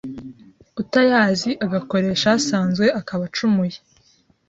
utayazi agakoresha asanzwe akaba acumuye